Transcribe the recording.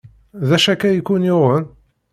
D acu akka i ken-yuɣen?